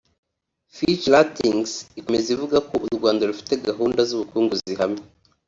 Fitch Ratings ikomeza ivuga ko u Rwanda rufite gahunda z’ubukungu zihamye